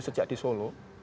sejak di solo